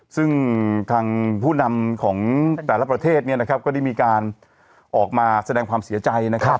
ซึ่งทางผู้นำของแต่ละประเทศเนี่ยนะครับก็ได้มีการออกมาแสดงความเสียใจนะครับ